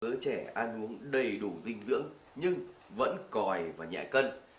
giới trẻ ăn uống đầy đủ dinh dưỡng nhưng vẫn còi và nhẹ cân